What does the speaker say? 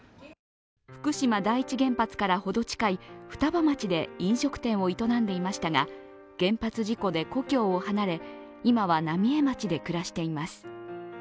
福島第一原発から程近い双葉町で飲食店を営んでいましたが原発事故で故郷を離れ今は浪江町で暮らしています。